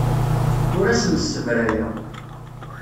Ur asen-ssebrayeɣ.